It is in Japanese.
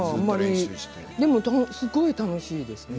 でもすごい楽しいです。